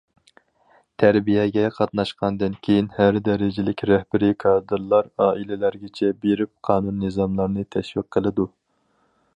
تەربىيەگە قاتناشقاندىن كېيىن، ھەر دەرىجىلىك رەھبىرىي كادىرلار ئائىلىلەرگىچە بېرىپ، قانۇن- نىزاملارنى تەشۋىق قىلىدۇ.